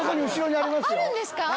あるんですか？